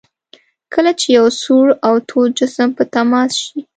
کله چې یو سوړ او تود جسم په تماس شي.